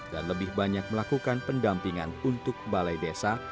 dan lebih banyak melakukan pendampingan untuk balai desa